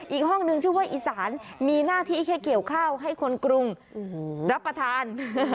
อีกห้องนึงชื่อว่าอีสานมีหน้าที่แค่เกี่ยวข้าวให้คนกรุงรับประทาน